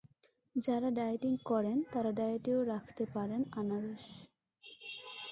যারা ডায়েটিং করেন তারা ডায়েটেও রাখতে পারেন আনারস।